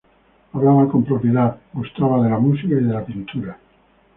Hablaba con propiedad, gustaba de la música y de la pintura.